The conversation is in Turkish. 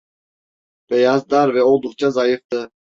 Beyaz, dar ve oldukça zayıftı.